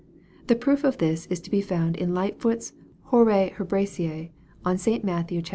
The proof of this is to be found in Lightfoot's Hoite Hebraicae on St. Matthew iii.